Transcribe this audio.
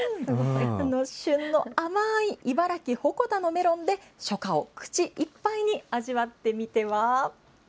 旬のあまーい茨城・鉾田のメロンで、初夏を口いっぱいに味わってみては？